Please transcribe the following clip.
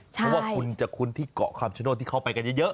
เพราะว่าคุณจะคุ้นที่เกาะคำชโนธที่เขาไปกันเยอะ